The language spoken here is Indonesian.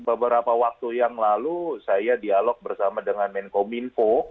beberapa waktu yang lalu saya dialog bersama dengan menkominfo